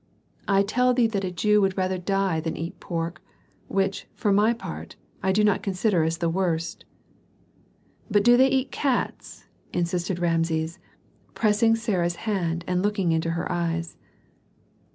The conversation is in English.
I tell thee that a Jew would rather die than eat pork, which, for my part, I do not consider as the worst " "But do they eat cats?" insisted Rameses, pressing Sarah's hand and looking into her eyes.